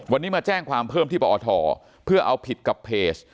วันนี้มาแจ้งความเพิ่มที่ปอทเพื่อเอาผิดกับเพจ